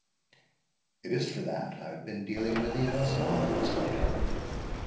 "It is for that I have been dealing with thee thus long," said the General.